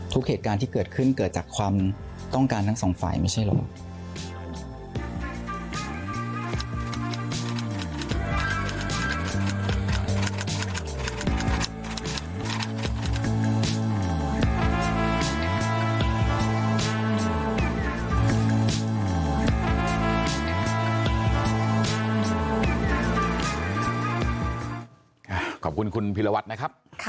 เหตุการณ์ที่เกิดขึ้นเกิดจากความต้องการทั้งสองฝ่ายไม่ใช่หรอก